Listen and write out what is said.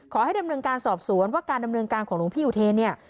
ขอให้ดำเนินการสอบสวนว่าการดำเนินการของหลวงพี่อุเทนเนี่ย